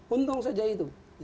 untung saja itu